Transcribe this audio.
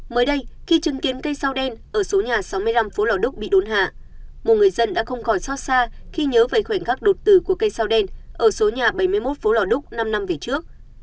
mới đây khi chứng kiến cây sao đen ở số nhà sáu mươi năm phố lò đúc bị đốn hạ một người dân đã không còn xót xa khi nhớ về khoảnh khắc đột tử của cây sao đen ở số nhà bảy mươi một phố lò đúc năm năm về trước